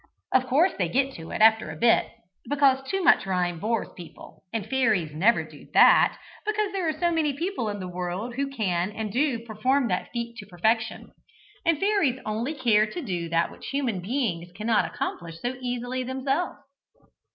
Of course they get to it, after a bit, because too much rhyme bores people, and fairies never do that, because there are so many people in the world who can and do perform that feat to perfection, and fairies only care to do that which human beings cannot accomplish so easily of themselves.